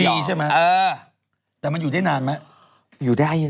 ใช่ไหมเออแต่มันอยู่ได้นานไหมอยู่ได้ยังไง